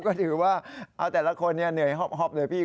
ก็ถือว่าเอาแต่ละคนเหนื่อยหอบเลยพี่